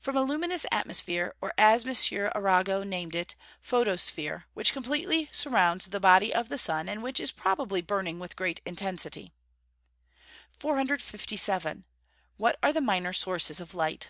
_ From a luminous atmosphere, or, as M. Arago named it, photosphere, which completely surrounds the body of the sun, and which is probably burning with great intensity. 457. _What are the minor sources of light?